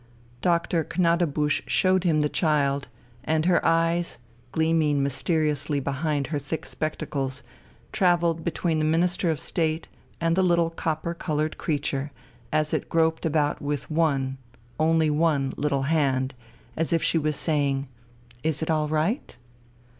Doctor Gnadebusch showed him the child, and her eyes, gleaming mysteriously behind her thick spectacles, travelled between the Minister of State and the little copper coloured creature, as it groped about with one only one little hand, as if she was saying: "Is it all right?"